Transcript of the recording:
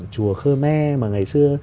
chùa khơ me mà ngày xưa